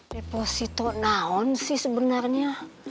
deposito tahun sih sebenarnya